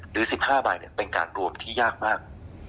หรือ๑๕ใบเป็นการรวมที่ยากมาก